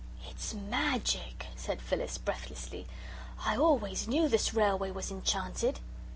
"It's magic," said Phyllis, breathlessly. "I always knew this railway was enchanted."